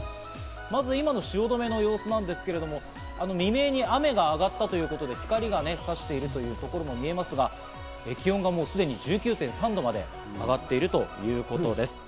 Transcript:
まず今の汐留の様子なんですけれども、未明に雨が上がったということで、光が差している所も見えますが、気温が、もうすでに１９．３度まで上がっているということです。